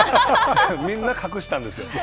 みんな隠したんですよ。